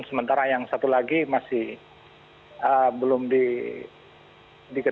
sementara yang satu lagi masih belum diketahui